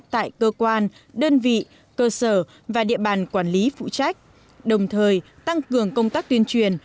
tại cơ quan đơn vị cơ sở và địa bàn quản lý phụ trách đồng thời tăng cường công tác tuyên truyền